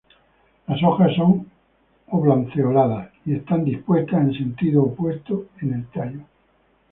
Las hojas son oblanceoladas y están dispuestas en sentido opuesto en el tallo.